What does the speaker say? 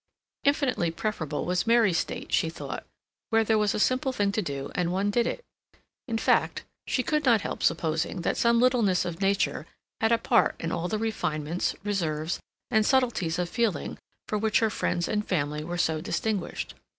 Infinitely preferable was Mary's state, she thought, where there was a simple thing to do and one did it. In fact, she could not help supposing that some littleness of nature had a part in all the refinements, reserves, and subtleties of feeling for which her friends and family were so distinguished.